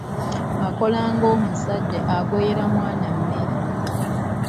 Akola ng'omuzadde agoyera omwana emmere.